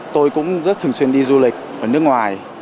tôi cũng rất thường xuyên đi du lịch ở nước ngoài